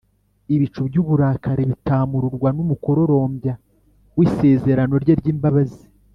Ibicu by’uburakari bitamururwa n’umukororombya w’isezerano rye ry’imbabazi.